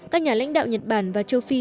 các nhà lãnh đạo nhật bản và châu phi